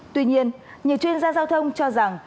tuy nhiên nhiều chuyên gia giao thông cho rằng